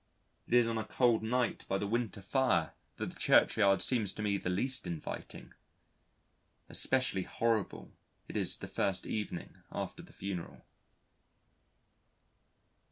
It is on a cold night by the winter fire that the churchyard seems to me the least inviting: especially horrible it is the first evening after the funeral.